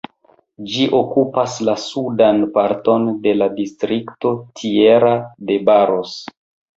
Ĝi okupas la sudan parton de la distrikto Tierra de Barros.